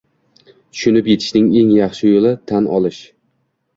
Tushunib yetishning eng yaxshi yo’li – tan olish!